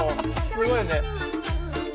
すごいよね。